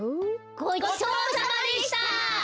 ごちそうさまでした！